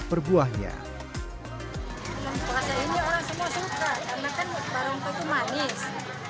karena kan barongko itu manis